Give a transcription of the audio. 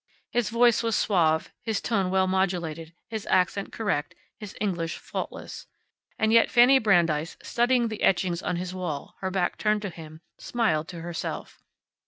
His voice was suave, his tone well modulated, his accent correct, his English faultless. And yet Fanny Brandeis, studying the etchings on his wall, her back turned to him, smiled to herself.